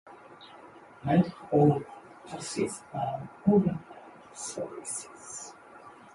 Night Owl buses are overnight services.